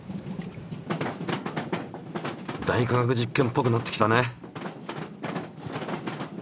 「大科学実験」っぽくなってきたね！